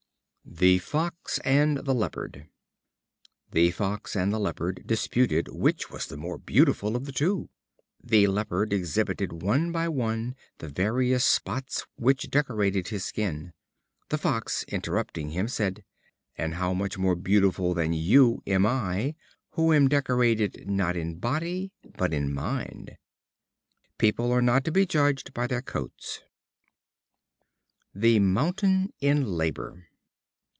The Fox and the Leopard. The Fox and the Leopard disputed which was the more beautiful of the two. The Leopard exhibited one by one the various spots which decorated his skin. The Fox, interrupting him, said: "And how much more beautiful than you am I, who am decorated, not in body, but in mind." People are not to be judged by their coats. The Mountain in Labor.